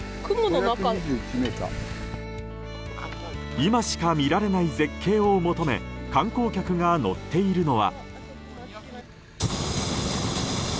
今しか見られない絶景を求め観光客が乗っているのは。